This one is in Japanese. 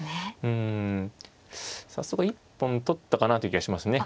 早速一本取ったかなという気がしますね。